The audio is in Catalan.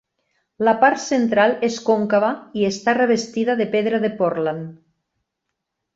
La part central és còncava i està revestida de pedra de Portland.